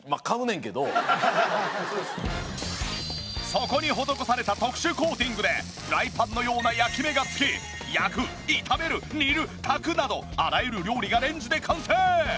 底に施された特殊コーティングでフライパンのような焼き目がつき焼く炒める煮る炊くなどあらゆる料理がレンジで完成！